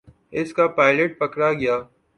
اس کا پائلٹ پکڑا گیا۔